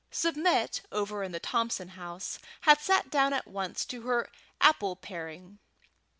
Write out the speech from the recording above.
Submit, over in the Thompson house, had sat down at once to her apple paring.